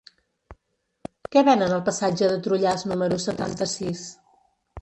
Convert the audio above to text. Què venen al passatge de Trullàs número setanta-sis?